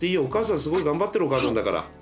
お母さんすごい頑張ってるお母さんだから。